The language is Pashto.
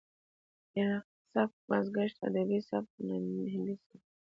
عراقي سبک، بازګشت ادبي سبک، هندي سبک دى.